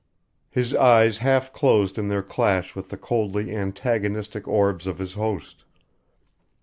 His eyes half closed in their clash with the coldly antagonistic orbs of his host.